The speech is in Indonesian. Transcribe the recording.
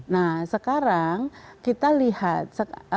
nah sekarang kita lihat